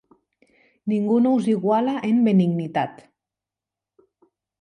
Ningú no us iguala en benignitat.